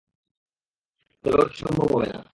তবে, ওটাতো সম্ভব হবে না।